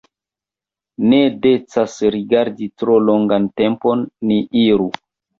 Ne decas rigardi tro longan tempon, ni iru!